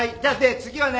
次はね。